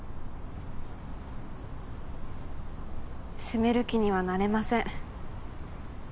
責める気にはなれません。